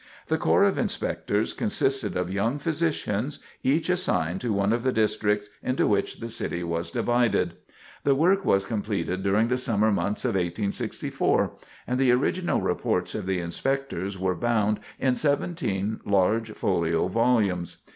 The corps of inspectors consisted of young physicians, each assigned to one of the districts into which the city was divided. The work was completed during the summer months of 1864, and the original reports of the inspectors were bound in seventeen large folio volumes.